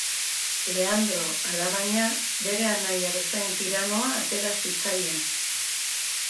Leandro, alabaina, bere anaia bezain tiranoa atera zitzaien.